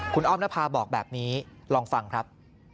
คุณอ้อมนภาบอกแบบนี้ลองฟังครับ